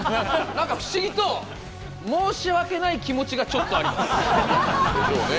何か不思議と申し訳ない気持ちがちょっとあります。でしょうね。